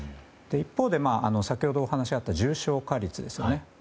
一方で先ほどお話があった重症化率ですね。